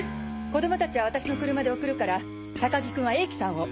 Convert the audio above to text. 子供たちは私の車で送るから高木君は永貴さんを。